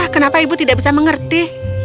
kenapa ibu tidak bisa mengerti